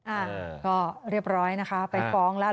อ่าก็เรียบร้อยนะคะไปฟ้องแล้ว